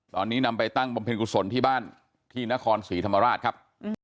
ตอนนี้นำไปตั้งบำเพ็ญกุศลที่บ้านที่นครศรีธรรมราชครับ